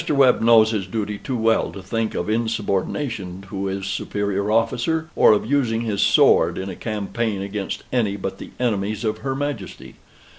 Webb knows his duty too well to think of insubordination to his superior officer, or of using his sword in a campaign against any but the enemies of her Majesty.